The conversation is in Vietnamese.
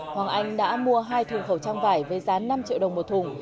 hoàng anh đã mua hai thùng khẩu trang vải với giá năm triệu đồng một thùng